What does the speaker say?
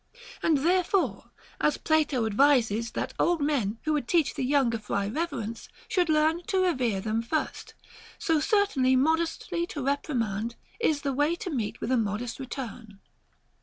And therefore, as Plato advises that old men who would teach the younger fry reverence should learn to revere them first, so certainly modestly to reprimand is the way to meet with a modest return.